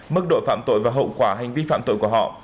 mức độ phạm tội và hậu quả hành vi phạm tội của họ